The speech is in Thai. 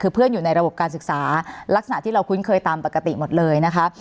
คือเพื่อนอยู่ในระบบการศึกษาลักษณะที่เราคุ้นเคยตามปกติหมดเลยนะคะ